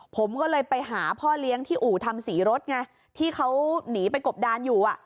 ผมก็เลยไปหาพ่อเลี้ยงที่อู่ทำสีรถไงที่เขาหนีไปกบดานอยู่